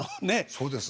そうです。